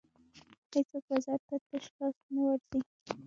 هېڅوک بازار ته تش لاس نه ورځي.